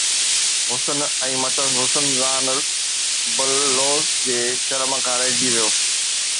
حسن ۽ مٿس حسن زان باللوس جي شرم کان رهجي ويو